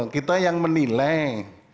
kita yang menilai